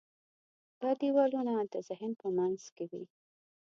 دا دیوالونه د ذهن په منځ کې وي.